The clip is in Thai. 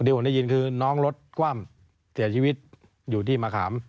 ผมได้ยินคือน้องรถคว่ำเสียชีวิตอยู่ที่มะขาม